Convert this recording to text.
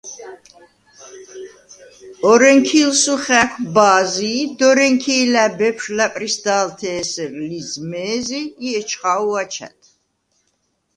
ორენქი̄ლსუ ხა̄̈ქვ ბა̄ზი ი დორენქი̄ლა̈ ბეფშვ ლა̈პრისდა̄ლთ’ ე̄სერ ლიზ მე̄ზი ი ეჩხა̄ვუ აჩა̈დ.